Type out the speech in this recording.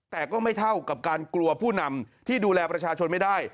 แต่ก็ไม่เท่ากับการกลัวผู้นำที่ดูแลประชาชนไม่ได้